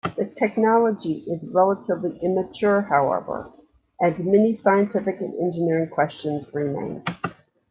The technology is relatively immature, however, and many scientific and engineering questions remain.